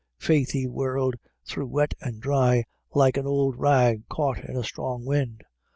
Faith, he whirrelled through wet and dry like an ould rag caught in a strong wind.